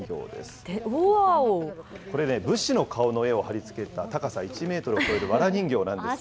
これね、武士の顔の絵を貼り付けた高さ１メートルを超えるわ足長いなー。